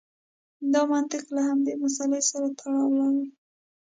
دا منطق له همدې مسئلې سره تړاو لري.